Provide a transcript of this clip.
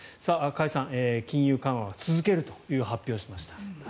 加谷さん、金融緩和続けるという発表をしました。